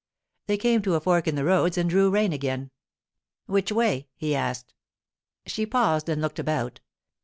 They came to a fork in the roads and drew rein again. 'Which way?' he asked. She paused and looked about.